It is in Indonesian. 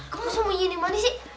kamu sembunyi di mana sih